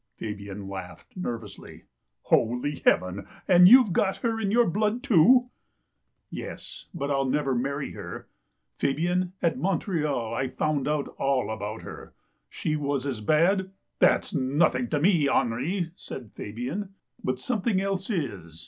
Fabian laughed nervously. " Holy heaven, and you've got her in your blood, too !"" Yes, but I'd never marry her. Fabian, at Mon treal I found out all about her. She was as bad "" That's nothing to me, Henri," said Fabian, " but something else is.